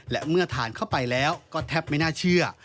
และเมื่อทานเข้าไปแล้วก็แทบไม่น่าเชื่อ